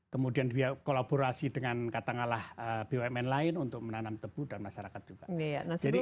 kemudian dia kolaborasi dengan kata ngalah bumn lain untuk menanam tebu dan masyarakat juga